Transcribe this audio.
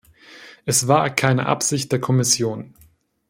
Es war keine Absicht der Kommission.